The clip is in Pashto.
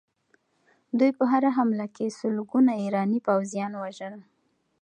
دوی په هره حمله کې سلګونه ایراني پوځیان وژل.